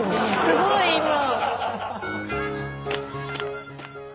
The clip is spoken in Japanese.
すごい今。